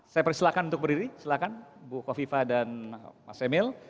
saya persilahkan untuk berdiri silakan bu kofifa dan mas emil